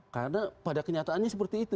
karena pada kenyataannya seperti itu